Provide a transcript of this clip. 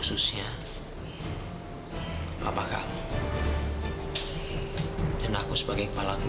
jadi sama saya sendiri traditional